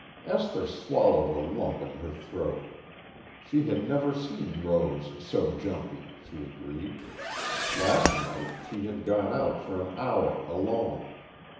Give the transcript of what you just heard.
Esther swallowed a lump in her throat. She had never seen Rose so jumpy, she agreed. Last night she had gone out for an hour alone.